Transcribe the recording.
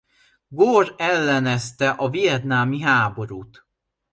Gore ellenezte a vietnámi háborút.